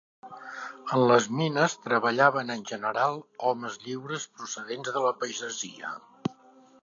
En les mines treballaven en general homes lliures procedents de la pagesia.